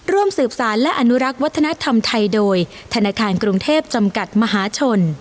ร่วมสืบสารและอนุรักษ์วัฒนธรรมไทยโดยธนาคารกรุงเทพจำกัดมหาชน